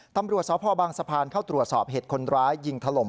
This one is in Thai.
ตำรวจสพบางสะพานเข้าตรวจสอบเหตุคนร้ายยิงถล่ม